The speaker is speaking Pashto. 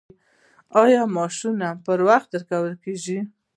آیا معاشونه پر وخت ورکول کیږي؟